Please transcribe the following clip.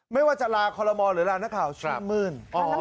ไม่ว่าจะลาคอลโมหรือลานักข่าวชื่นมื้น